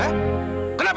kenapa harus suka